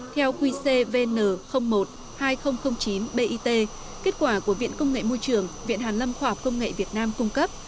theo quy c vn một hai nghìn chín bit kết quả của viện công nghệ môi trường viện hàn lâm khoa học công nghệ việt nam cung cấp